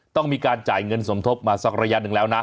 ต้องมีการจ่ายเงินสมทบมาสักระยะหนึ่งแล้วนะ